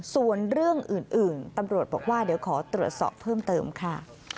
ส่วนเรื่องอื่นตำรวจบอกว่าเดี๋ยวขอตรวจสอบเพิ่มเติมค่ะ